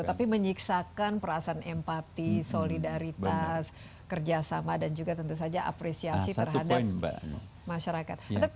tapi menyiksakan perasaan empati solidaritas kerjasama dan juga tentu saja apresiasi terhadap masyarakat